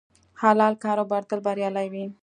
حلال کاروبار تل بریالی وي.